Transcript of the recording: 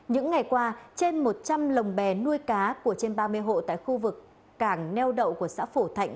những ngày qua trên một trăm linh lồng bè nuôi cá của trên ba mươi hộ tại khu vực cảng neo đậu của xã phổ thạnh